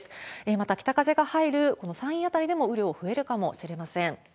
また、北風が入るこの山陰辺りでも雨量増えるかもしれません。